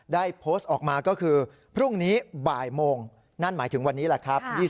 ได้โพสต์ออกมาก็คือพรุ่งนี้บ่ายโมงนั่นหมายถึงวันนี้แหละครับ